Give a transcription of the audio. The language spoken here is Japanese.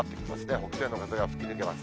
北西の風が吹き抜けます。